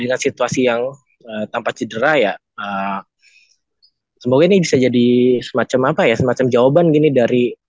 dengan situasi yang tanpa cedera ya semoga ini bisa jadi semacam apa ya semacam jawaban gini dari